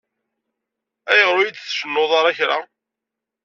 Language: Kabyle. Ayɣer ur yi-d-tcennuḍ ara kra?